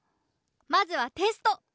まずはテスト。